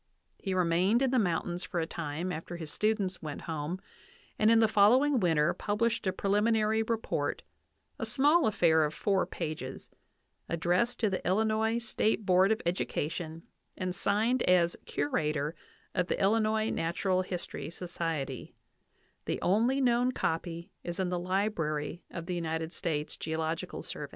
He remained in the mountains for a time after his students went home, and in the following winter pub lished a preliminary report, a small affair of four pages, ad dressed to the Illinois State Board of Education and signed as curator of the Illinois Natural History Society; the only known copy is in the library of the^ United States Geological Survey.